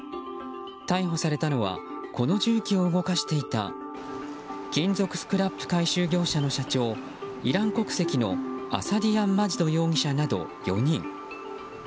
逮捕されたのはこの重機を動かしていた金属スクラップ回収業者の社長イラン国籍のアサディアン・マジド容疑者など４人。